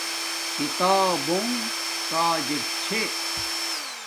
کتبونگ کاجک چھے